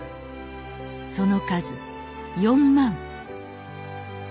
その数４万。